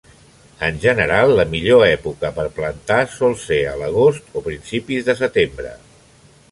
En general, la millor època per plantar sol ser a l'agost o principis de setembre.